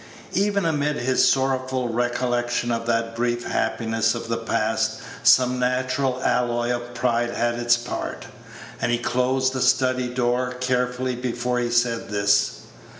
Even amid his sorrowful recollection of Page 103 that brief happiness of the past, some natural alloy of pride had its part, and he closed the study door carefully before he said this.